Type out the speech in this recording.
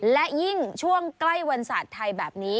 และยิ่งช่วงใกล้วันศาสตร์ไทยแบบนี้